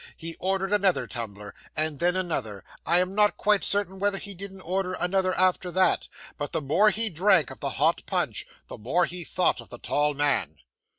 He ordered another tumbler, and then another I am not quite certain whether he didn't order another after that but the more he drank of the hot punch, the more he thought of the tall man.